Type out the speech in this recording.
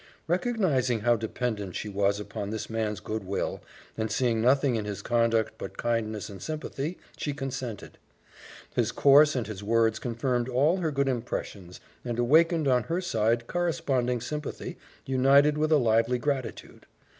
Recognizing how dependent she was upon this man's good will, and seeing nothing in his conduct but kindness and sympathy, she consented. His course and his words confirmed all her good impressions and awakened on her side corresponding sympathy united with a lively gratitude.